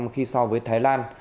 khi so với thái lan